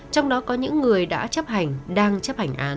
trong đó có những người đã chấp hành đang chấp hành án